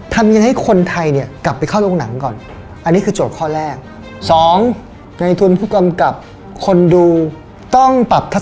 ทำยังให้คนไทยกลับไปเข้าโรงหนังก่อน